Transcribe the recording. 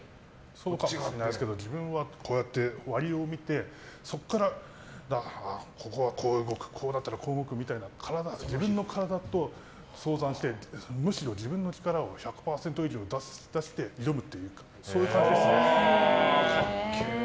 そうかもしれないですけど自分は、割りを見てそこからここはこう動くこうなったらこう動くみたいな自分の体と相談してむしろ自分の力を１００％以上出して挑むっていうそういう感じですね。